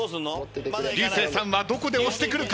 竜星さんはどこで押してくるか？